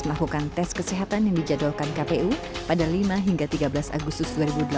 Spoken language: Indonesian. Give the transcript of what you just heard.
melakukan tes kesehatan yang dijadwalkan kpu pada lima hingga tiga belas agustus dua ribu delapan belas